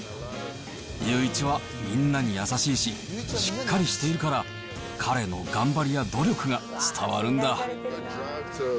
祐一はみんなに優しいし、しっかりしているから、彼の頑張りや努力が伝わるんだ。